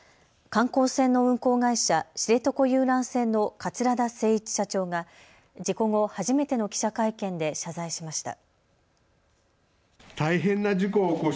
観光船の運航会社、知床遊覧船の桂田精一社長が事故後、初めての記者会見で謝罪しました。